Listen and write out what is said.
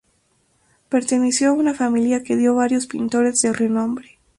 Perteneció a una familia que dio varios pintores de renombre.